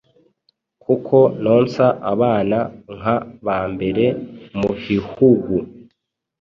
kuko nonsa abana nka bambere muhihugu